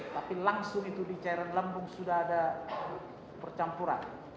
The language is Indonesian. tapi langsung itu di cairan lambung sudah ada percampuran